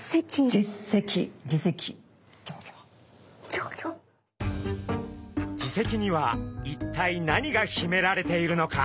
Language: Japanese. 耳石には一体何がひめられているのか？